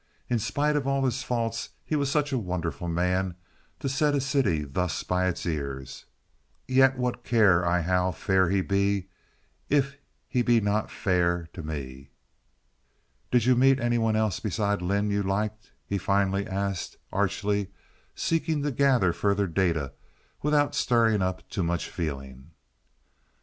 In spite of all his faults he was such a wonderful man—to set a city thus by the ears. "Yet, what care I how fair he be, if he be not fair to me." "Did you meet any one else besides Lynde you liked?" he finally asked, archly, seeking to gather further data without stirring up too much feeling.